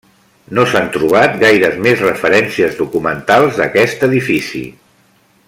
No s'han trobat gaires més referències documentals d'aquest edifici.